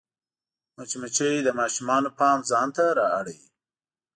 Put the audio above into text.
مچمچۍ د ماشومانو پام ځان ته رااړوي